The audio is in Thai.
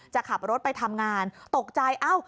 จะขับรถไปทำงานตกใจเอ้า